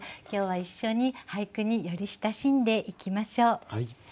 今日は一緒に俳句により親しんでいきましょう。